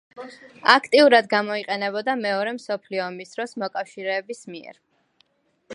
აქტიურად გამოიყენებოდა მეორე მსოფლიო ომის დროს მოკავშირეების მიერ.